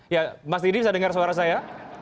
ya mas didi bisa dengar suara saya